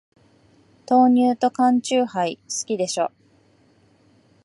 豆乳と缶チューハイ、好きでしょ。